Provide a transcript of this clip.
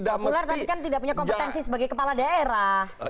populer tapi kan tidak punya kompetensi sebagai kepala daerah